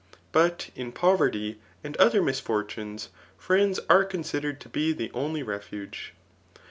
But in poverty and other misfortunes, friends are conadered to be the only refuge.